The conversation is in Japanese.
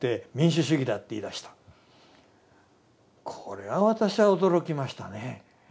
これは私は驚きましたね。